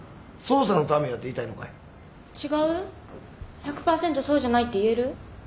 １００パーセントそうじゃないって言える？